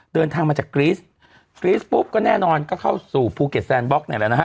เดินทางมาจากกรีสกรี๊สปุ๊บก็แน่นอนก็เข้าสู่ภูเก็ตแซนบล็อกเนี่ยแหละนะฮะ